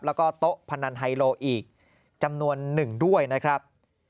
แล้วก็โต๊ะพนันไฮโลอีกจำนวนหนึ่งด้วยนะครับ